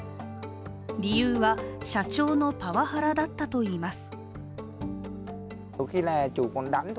理由は社長のパワハラだったといいます。